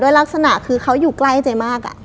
ลักษณะคือเขาอยู่ใกล้เจ๊มาก